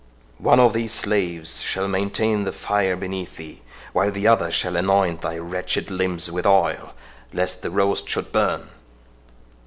One of these slaves shall maintain the fire beneath thee, while the other shall anoint thy wretched limbs with oil, lest the roast should burn.